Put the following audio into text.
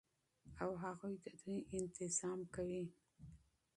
او هغوى ددوى انتظام كوي